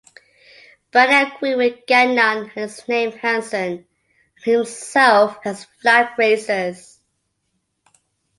Bradley agreed with Gagnon and his naming Hansen and himself as flag-raisers.